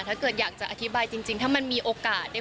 ถ้าเกิดอยากจะอธิบายจริงถ้ามันมีโอกาสได้